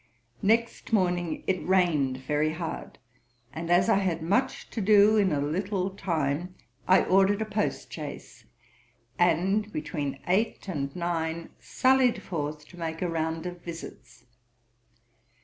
Next morning it rained very hard; and as I had much to do in a little time, I ordered a post chaise, and between eight and nine sallied forth to make a round of visits.